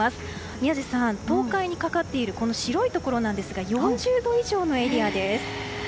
宮司さん、東海にかかっているこの白いところなんですが４０度以上のエリアです。